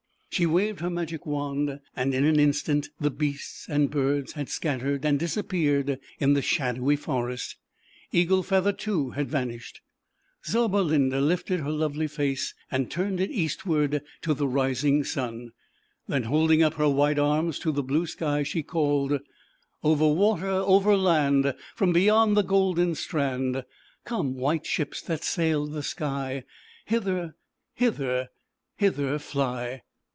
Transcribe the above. She waved her Magic Wand and in an instant the beasts and birds had scattered and disappeared in the shadowy forest. Eagle Feather, too, had vanished. Zauberlinda lifted her lovely face and turned it Eastward to the rising sun, then *'<'*,& up 'liof* white arms to the blue ,. land, Tom beyond the Golden Strand, 'ome, white ships that sail the sky, Hither, hither, hither fly."